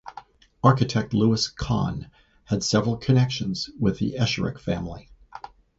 Architect Louis Kahn had several connections with the Esherick family.